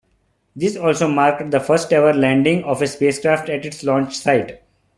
This also marked the first-ever landing of a spacecraft at its launch site.